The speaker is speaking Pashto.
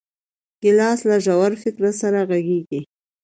ګیلاس له ژور فکر سره غږېږي.